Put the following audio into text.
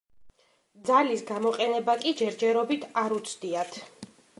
ძალის გამოყენება კი ჯერჯერობით არ უცდიათ.